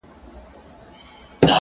• زما پښتون زما ښايسته اولس ته.